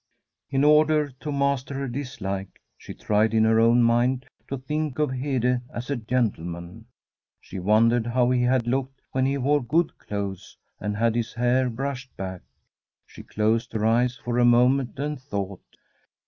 In order to master her dislike she tried in her own mind to think of Hede as a gentleman. She wondered how he had looked when he wore good clothes, and had his hair brushed back. She closed her eyes for a moment and thought.